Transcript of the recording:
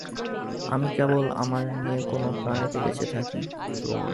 আমি কেবল আমায় নিয়ে কোন প্রাণেতে বেঁচে থাকি।